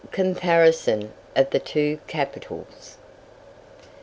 COMPARISON OF THE TWO CAPITALS.